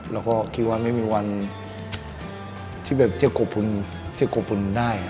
แล้วก็คิดว่าไม่มีวันที่แบบจะขอบคุณได้